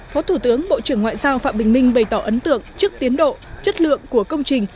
phó thủ tướng bộ trưởng ngoại giao phạm bình minh bày tỏ ấn tượng trước tiến độ chất lượng của công trình